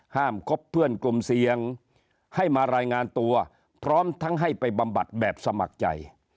คบเพื่อนกลุ่มเสี่ยงให้มารายงานตัวพร้อมทั้งให้ไปบำบัดแบบสมัครใจ